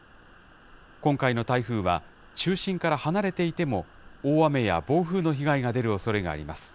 今回の台風は、中心から離れていても大雨や暴風の被害が出るおそれがあります。